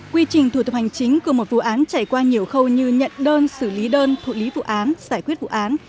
quy trình thủ tục hành chính của một vụ án chảy qua nhiều khâu như nhận đơn xử lý đơn thụ lý vụ án giải quyết vụ án